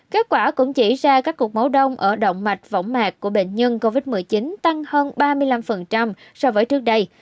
kết quả cũng chỉ ra các cuộc máu đông ở động mạch võng mạc của bệnh nhân covid một mươi chín tăng hơn ba mươi năm so với trước đây